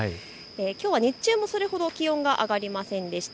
日中もそれほど気温が上がりませんでした。